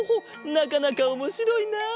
なかなかおもしろいな。